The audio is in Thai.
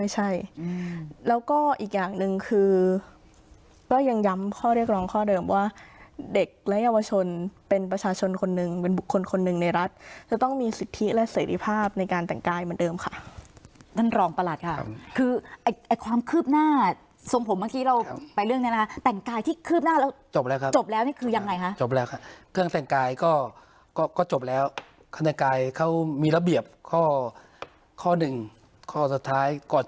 ใช่แล้วก็อีกอย่างหนึ่งคือก็ยังย้ำข้อเรียกรองข้อเดิมว่าเด็กและเยาวชนเป็นประชาชนคนหนึ่งเป็นบุคคลคนหนึ่งในรัฐจะต้องมีสิทธิและเสร็จภาพในการแต่งกายเหมือนเดิมค่ะนั่นรองประหลัดค่ะคือความคืบหน้าทรงผมเมื่อกี้เราไปเรื่องนี้นะคะแต่งกายที่คืบหน้าแล้วจบแล้วนี่คือยังไงคะจบแล้วค่ะเครื่องแต่งก